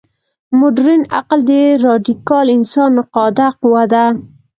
مډرن عقل د راډیکال انسان نقاده قوه ده.